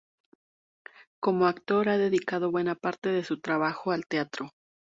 Como actor ha dedicado buena parte de su trabajo al teatro.